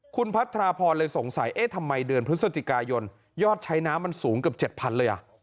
คุณพัทรพรเลยสงสัยเอ๊ะทำไมเดือนพฤศจิกายนยอดใช้น้ำมันสูงเกือบ๗๐๐เลยอ่ะ